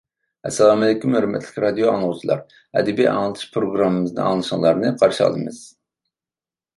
ئەسسالامۇئەلەيكۇم ھۆرمەتلىك رادىئو ئاڭلىغۇچىلار، ئەدەبىي ئاڭلىتىش پروگراممىمىزنى ئاڭلىشىڭلارنى قارشى ئالىمىز.